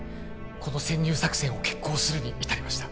この潜入作戦を決行するに至りました